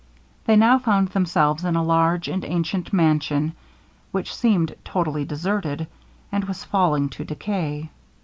They now found themselves in a large and ancient mansion, which seemed totally deserted, and was falling to decay.